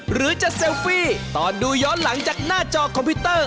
หรือจะเซลฟี่จากหน้าจอคอมพิวเตอร์